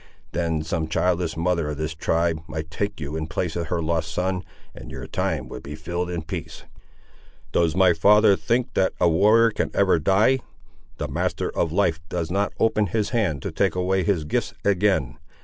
Then some childless mother of this tribe might take you in the place of her lost son, and your time would be filled in peace." "Does my father think that a warrior can ever die? The Master of Life does not open his hand to take away his gifts again.